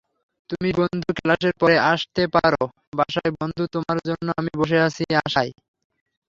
তুমি বন্ধু ক্লাসের পরে আসতে পার বাসায়বন্ধু তোমার জন্য আমি বসে আছি আশায়।